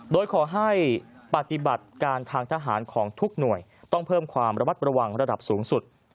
โดยขอให้ปฏิบัติการทางทหารของทุกหน่วยต้องเพิ่มความระมัดระวังระดับสูงสุด